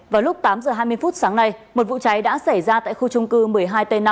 vào lúc tám giờ hai mươi phút sáng nay một vụ cháy đã xảy ra tại khu trung cư một mươi hai t năm